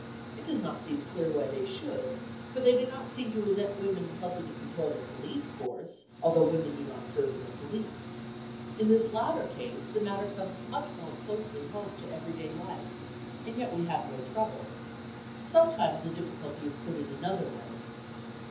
It does not seem clear why they should, for they do not seem to resent women helping to control the police force, although women do not serve in the police. In this latter case the matter comes much more closely home to everyday life and yet we have no trouble. Sometimes the difficulty is put in another way.